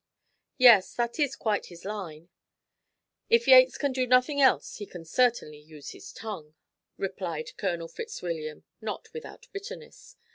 "Yes, that is quite his line; if Yates can do nothing else he can certainly use his tongue," replied Colonel Fitzwilliam, not without bitterness.